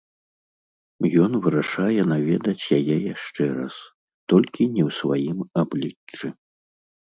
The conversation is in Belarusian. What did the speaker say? Ён вырашае наведаць яе яшчэ раз, толькі не ў сваім абліччы.